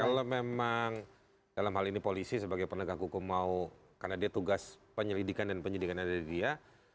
kalau memang dalam hal ini polisi sebagai penegak hukum mau karena dia tugas penyelidikan dan penyidikannya dari dia